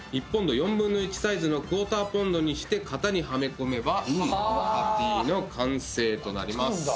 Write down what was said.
１ポンド４分の１サイズのクオーターポンドにして型にはめ込めばパティーの完成となります。